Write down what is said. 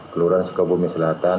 kelurahan sukabumi selatan